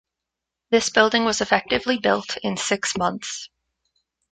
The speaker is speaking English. This building was effectively built in six months.